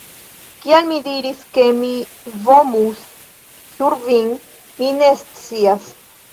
Kial mi diris, ke mi vomus sur vin... mi ne scias